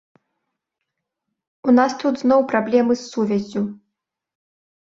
У нас тут зноў праблемы з сувяззю.